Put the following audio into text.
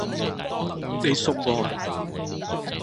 你送我呀？